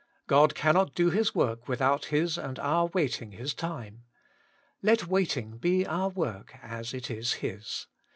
God cannot do His work without His and our wait ing His time : let waiting be our work, as it is His.